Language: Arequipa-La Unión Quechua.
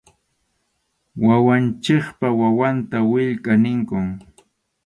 Wawanchikpa wawanta willka ninkum.